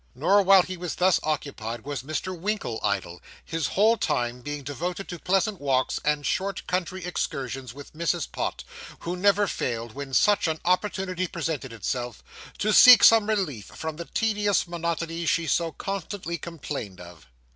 Nor while he was thus occupied was Mr. Winkle idle, his whole time being devoted to pleasant walks and short country excursions with Mrs. Pott, who never failed, when such an opportunity presented itself, to seek some relief from the tedious monotony she so constantly complained of.